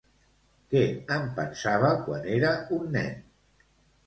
Què en pensava quan era un nen?